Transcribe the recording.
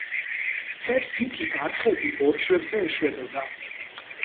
მთებს იქით არხები ბორცვებზე ეშვებოდა.